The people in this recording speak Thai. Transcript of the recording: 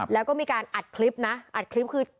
แล้วก็มีการอัดคลิปนะอัดคลิปคือ